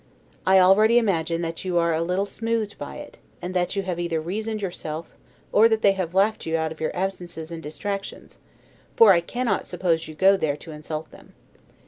I already imagine that you are a little, smoothed by it; and that you have either reasoned yourself, or that they have laughed you out of your absences and DISTRACTIONS; for I cannot suppose that you go there to insult them.